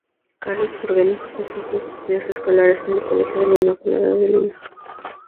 Carlos Jurgens cursó sus estudios escolares en el Colegio de la Inmaculada de Lima.